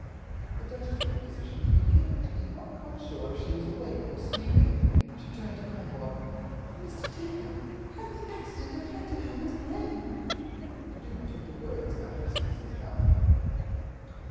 The duchess looked as if she was beginning to be not quite sure if she was awake or sleeping. She turned to Ivor. "Mr. Dacre, has the accident affected Hereward's brain?" The duke took the words out of his cousin's mouth.